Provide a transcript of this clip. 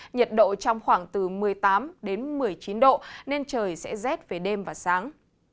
nhiệt độ trong khoảng từ một mươi tám đến một mươi chín độ nên trời sẽ rét về đêm và sáng